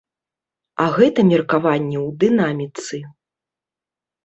А гэта меркаванне ў дынаміцы.